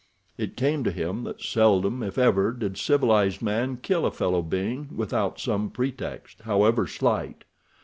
It came to him that seldom if ever did civilized man kill a fellow being without some pretext, however slight.